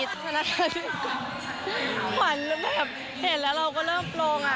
ธนาคารขวัญเห็นแล้วเราก็เริ่มโปรง